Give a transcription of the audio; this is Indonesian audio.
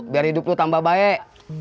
biar hidup lu tambah baik